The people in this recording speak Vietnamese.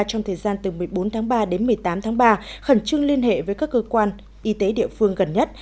trong thời gian từ một mươi bốn tháng ba đến một mươi tám tháng ba khẩn trương liên hệ với các cơ quan y tế địa phương gần nhất